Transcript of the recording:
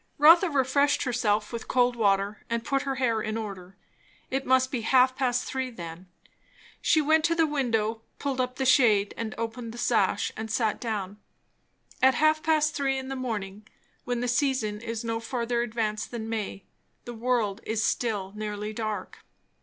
Rotha refreshed herself with cold water and put her hair in order. It must be half past three then. She went to the window, pulled up the shade and opened the sash and sat down. At half past three in the morning, when the season is no further advanced than May, the world is still nearly dark.